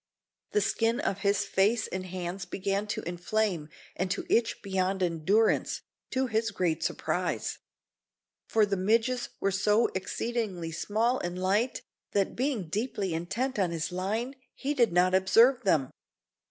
The skin of his face and hands began to inflame and to itch beyond endurance to his great surprise; for the midges were so exceedingly small and light, that, being deeply intent on his line, he did not observe them.